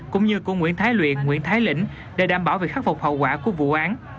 cũng như của nguyễn thái luyện nguyễn thái lĩnh để đảm bảo việc khắc phục hậu quả của vụ án